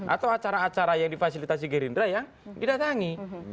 atau acara acara yang difasilitasi gerindra yang didatangi